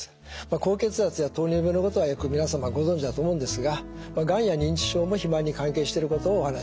高血圧や糖尿病のことはよく皆様ご存じだと思うんですががんや認知症も肥満に関係していることをお話しいたします。